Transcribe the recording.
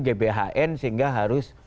gbhn sehingga harus